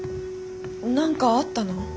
何かあったの？